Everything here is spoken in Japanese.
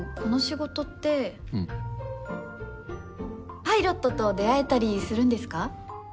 パイロットと出会えたりするんですか？